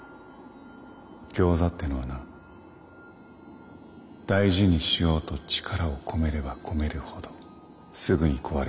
ギョーザってのはな大事にしようと力を込めれば込めるほどすぐに壊れてしまう。